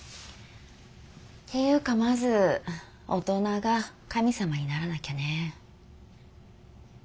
っていうかまず大人が神様にならなきゃね。